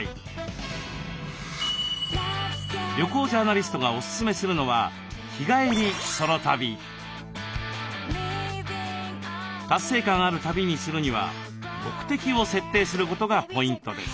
旅行ジャーナリストがおすすめするのは達成感ある旅にするには目的を設定することがポイントです。